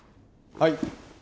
はい。